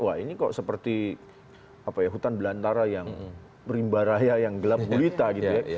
wah ini kok seperti apa ya hutan belantara yang berimba raya yang gelap bulita gitu ya